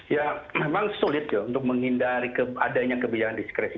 ya memang sulit ya untuk menghindari adanya kebijakan diskresi